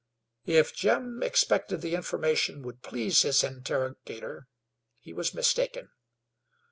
If Jim expected the information would please his interrogator, he was mistaken.